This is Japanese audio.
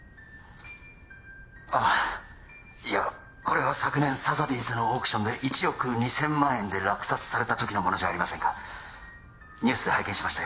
あっいやこれは昨年サザビーズのオークションで１億２千万円で落札された時のものじゃありませんかニュースで拝見しましたよ